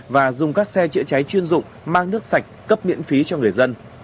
và dùng các xe chữa cháy chuyên dụng mang nước sạch cấp miễn phí cho người dân